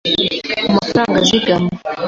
mu mafaranga azigama